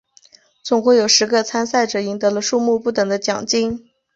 总共有十个参赛者赢得了数目不等的奖金。